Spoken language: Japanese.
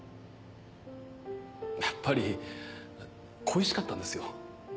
やっぱり恋しかったんですよ。